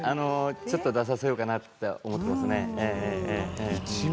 ちょっと出そうかなと思っています。